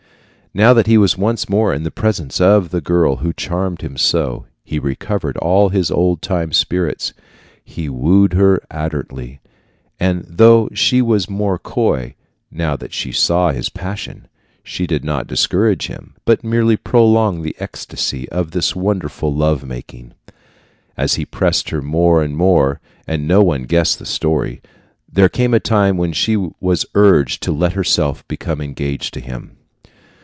Now that he was once more in the presence of the girl who charmed him so, he recovered all his old time spirits. He wooed her ardently, and though she was more coy, now that she saw his passion, she did not discourage him, but merely prolonged the ecstasy of this wonderful love making. As he pressed her more and more, and no one guessed the story, there came a time when she was urged to let herself become engaged to him.